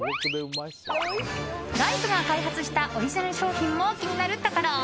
ライフが開発したオリジナル商品も気になるところ。